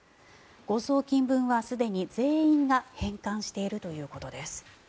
誤送金分はすでに全員が返還しているということです。